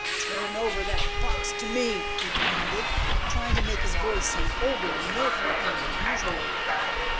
"Turn over that box to me," he demanded, trying to make his voice sound older and more threatening than usual.